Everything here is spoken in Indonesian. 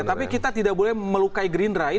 tapi kita tidak boleh melukai gerindra